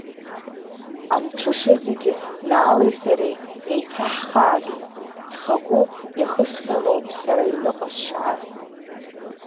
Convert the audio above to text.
Амҽыша зегьы Наалеи сареи еицаҳхаагеит, ҵхагәы иахысхьаноуп сара аҩныҟа сшааз.